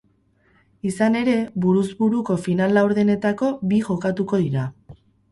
Izan ere, buruz buruko final-laurdenetako bi jokatuko dira.